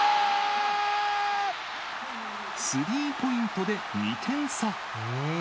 スリーポイントで２点差。